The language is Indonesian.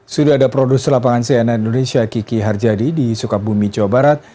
sudah ada produser lapangan cnn indonesia kiki harjadi di sukabumi jawa barat